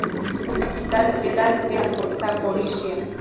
Su capital es Zaporizhia.